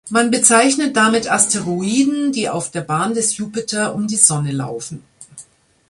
Man bezeichnet damit Asteroiden, die auf der Bahn des Jupiter um die Sonne laufen.